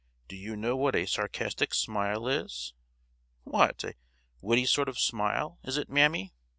Do you know what a sarcastic smile is?" "What, a witty sort of smile, is it, mammy?"